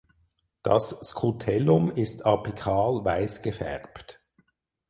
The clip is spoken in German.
Das Scutellum ist apikal weiß gefärbt.